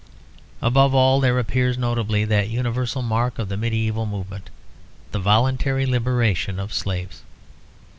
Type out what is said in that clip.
Above all, there appears notably that universal mark of the medieval movement; the voluntary liberation of slaves.